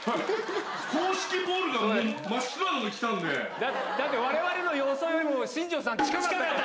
硬式ボールが、だって、われわれの予想よりも、新庄さん、近かった。